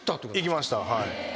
行きましたはい。